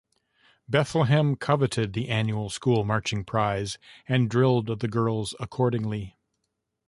Bethlehem coveted the Annual School Marching prize and drilled the girls accordingly.